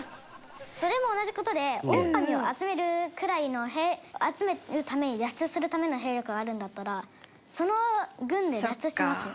それも同じ事でオオカミを集めるくらいの集めるために脱出するための兵力があるんだったらその軍で脱出してますよ。